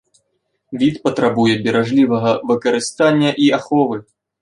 Від патрабуе беражлівага выкарыстання і аховы.